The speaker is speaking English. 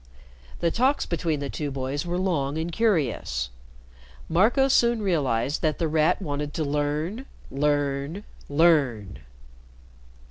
The talks between the two boys were long and curious. Marco soon realized that The Rat wanted to learn learn learn.